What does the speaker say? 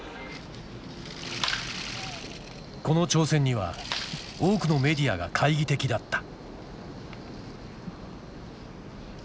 この挑戦には多くのメディアが懐疑的だった。